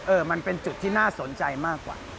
มันเป็นจุดที่น่าสนใจมากกว่า